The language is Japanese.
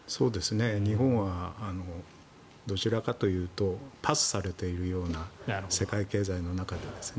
日本はどちらかというとパスされているような世界経済の中でですね。